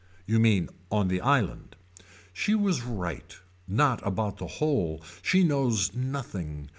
You mean on the island. She was right. Not about the whole. She knows nothing.